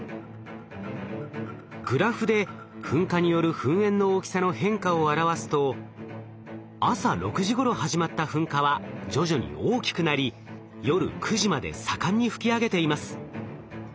グラフで噴火による噴煙の大きさの変化を表すと朝６時ごろ始まった噴火は徐々に大きくなり夜９時まで盛んに噴き上げています。